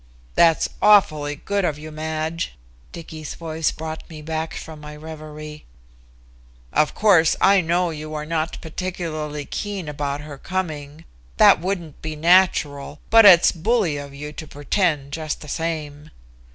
"That's awfully good of you, Madge." Dicky's voice brought me back from my reverie. "Of course I know you are not particularly keen about her coming. That wouldn't be natural, but it's bully of you to pretend just the same."